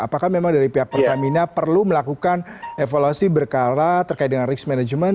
apakah memang dari pihak pertamina perlu melakukan evaluasi berkala terkait dengan risk management